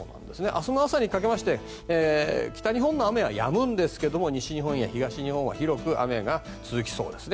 明日の朝にかけて北日本の雨はやむんですけど西日本や東日本は広く雨が続きそうです。